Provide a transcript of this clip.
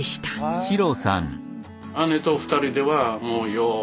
姉と２人ではもうよう